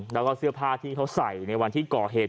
แล้วก็เสื้อผ้าที่เขาใส่ในวันที่ก่อเหตุ